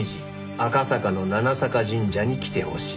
赤坂の七坂神社に来てほしい。